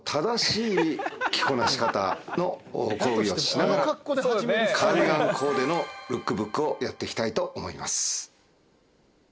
の講義をしながらカーディガンコーデのルックブックをやっていきたいと思います。